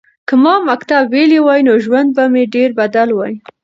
که ما مکتب ویلی وای نو ژوند به مې ډېر بدل وای.